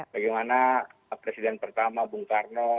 bagaimana presiden pertama bung karno